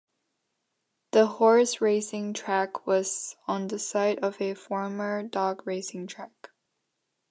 The horse racing track was on the site of a former dog racing track.